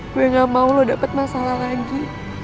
gue gak mau lu dapet masalah lagi